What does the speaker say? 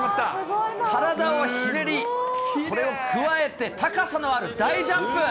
体をひねり、それに加えて高さのある大ジャンプ。